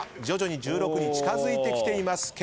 徐々に１６に近づいてきています。